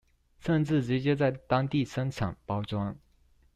甚至直接在當地生產、包裝